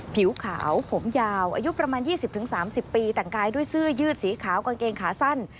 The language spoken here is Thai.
ผิวขาวผมยาวอายุประมาณ๒๐๓๐ปีแต่งกายด้วยเสื้อยืดสีขาวกางเกงขาสั้น